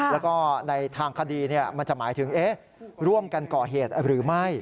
แล้วก็ในทางคดีมันจะหมายถึงร่วมกันก่อเหตุหรือไม่